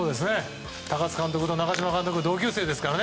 高津監督と中島監督は同級生ですから